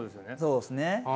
そうですね。